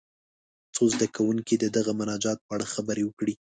څو زده کوونکي دې د دغه مناجات په اړه خبرې وکړي.